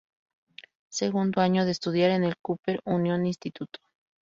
Segundo año de estudios en el Cooper Union Institute.